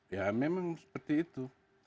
ya memang seperti itu